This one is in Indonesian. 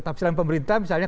tapsilan pemerintah misalnya